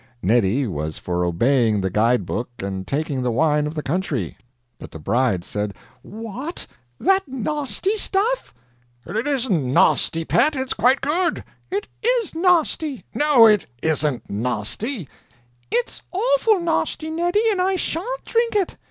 Neddy was for obeying the guide book and taking the wine of the country; but the bride said: "What, that nahsty stuff!" "It isn't nahsty, pet, it's quite good." "It IS nahsty." "No, it ISN'T nahsty." "It's Oful nahsty, Neddy, and I shahn't drink it."